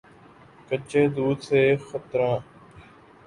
کچے دودھ سے خطرن